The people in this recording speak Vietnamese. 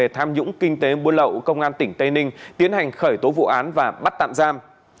tham nhũng kinh tế buôn lậu công an tỉnh tây ninh tiến hành khởi tố vụ án và bắt tạm giam